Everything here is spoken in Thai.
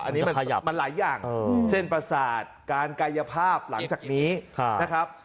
อันนี้มันหลายอย่างเส้นประสาทการกายภาพหลังจากนี้นะครับ